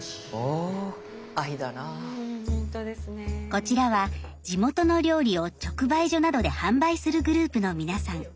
こちらは地元の料理を直売所などで販売するグループの皆さん。